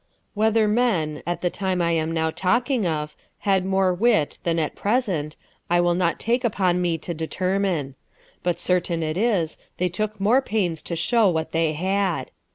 Whether men, at the time I am now talking of, had more wit than at present, I will not take upon me to determine ; but certain it is, they took more pains to show what they had.